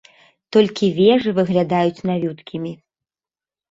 Толькі вежы выглядаюць навюткімі.